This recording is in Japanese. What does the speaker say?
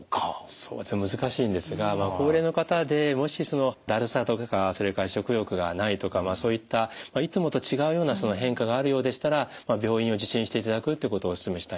そうですね難しいんですが高齢の方でもしそのだるさとかそれから食欲がないとかそういったいつもと違うような変化があるようでしたら病院を受診していただくってことをお勧めしたいなと思います。